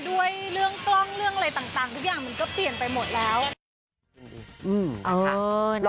ด้วยเรื่องกล้องเรื่องอะไรต่างทุกอย่างมันก็เปลี่ยนไปหมดแล้ว